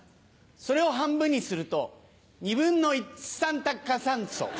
それを半分にすると２分の一酸た化炭素。